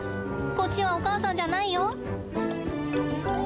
こっちはお母さんじゃないよ。